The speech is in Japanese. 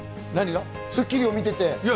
『スッキリ』を見ていて。